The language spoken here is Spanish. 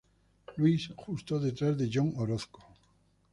Louis, justo detrás de John Orozco.